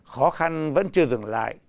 khó khăn vẫn chưa dừng lại